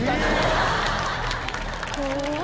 怖い！